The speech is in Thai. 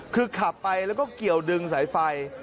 คือขับไปแล้วก็เกี่ยวดึงสายไฟ